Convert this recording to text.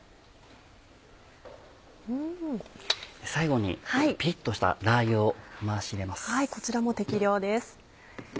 最後にピリっとしたラー油を回し入れます。